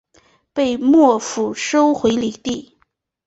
被幕府收回领地。